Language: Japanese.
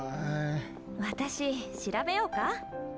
私調べようか？